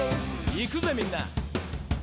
「いくぜみんな」